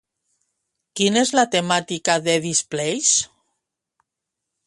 Quina és la temàtica de DisPLACE?